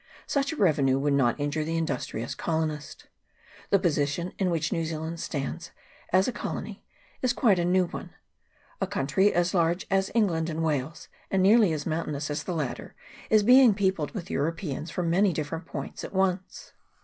Such a revenue would not injure the industrious colonist. The position in which New Zealand stands as a colony is quite a new one. A country as large as England and Wales, and nearly as mountainous as the latter, is being peopled with Europeans from many different points at once.